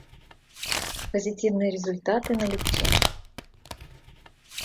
Позитивные результаты налицо.